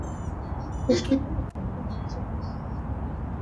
এটা শুধু একটা বাচ্চা ভালুক।